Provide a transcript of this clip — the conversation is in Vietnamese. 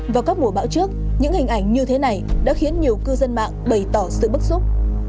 vào các mùa bão trước những hình ảnh như thế này đã khiến nhiều cư dân mạng bày tỏ sự bức xúc